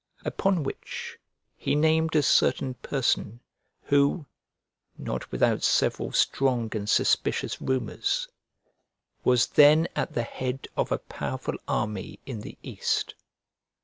Upon which he named a certain person, who (not without several strong and suspicious rumours) was then at the head of a powerful army in the east.